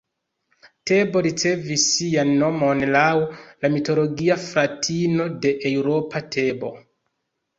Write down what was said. Tebo ricevis sian nomon laŭ la mitologia fratino de Eŭropo, Tebo.